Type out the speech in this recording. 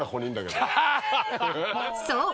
［そう。